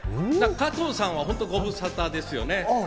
加藤さんは本当、御無沙汰ですよね。